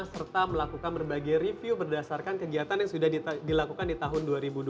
serta melakukan berbagai review berdasarkan kegiatan yang sudah dilakukan di tahun dua ribu dua puluh